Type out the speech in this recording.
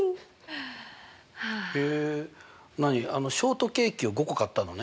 へえ何ショートケーキを５個買ったのね。